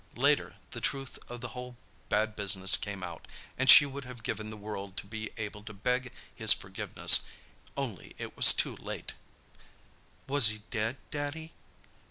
Later the truth of the whole bad business came out, and she would have given the world to be able to beg his forgiveness only it was too late." "Was he dead, Daddy?"